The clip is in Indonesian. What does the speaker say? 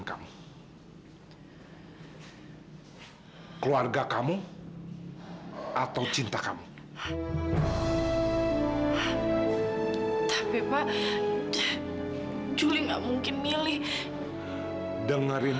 sampai jumpa di video selanjutnya